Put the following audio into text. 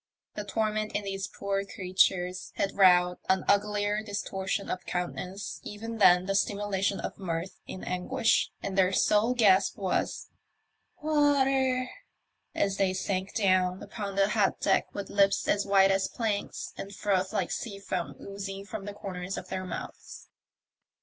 The torment in these poor creatures had wrought an uglier distortion of countenance even than the simulation of mirth in anguish, and their sole gasp was, " Water !" as they sank down upon the hot deck with lips as white as the THE MYSTERY OF THE OCEAN STAR/' 19 planks, and froth like sea foam oozing from the comers of their mouths.